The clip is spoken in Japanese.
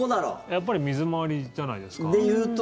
やっぱり水回りじゃないですか？